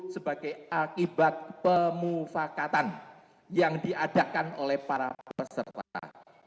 sebagai akibat pemufakatan yang diadakan oleh para peserta